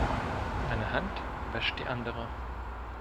Eine Hand wäscht die andere.